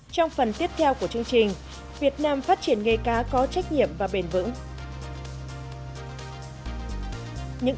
trong phần tiếp theo của chương trình việt nam phát triển nghề cá có trách nhiệm và bền vững